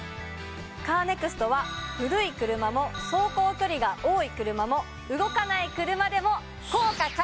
カーネクストは古い車も走行距離が多い車も動かない車でも。